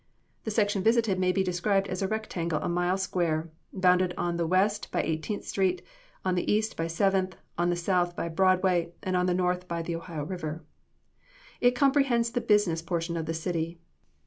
The section visited may be described as a rectangle a mile square, bounded on the west by Eighteenth street, on the east by Seventh, on the south by Broadway, and on the north by the Ohio river. It comprehends the business portion of the city.